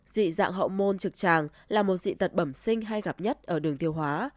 dị dạng hậu môn trực tràng là một dị tật bẩm sinh hay gặp nhất ở đường tiêu hóa